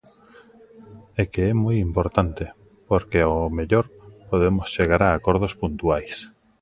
É que é moi importante, porque ao mellor podemos chegar a acordos puntuais.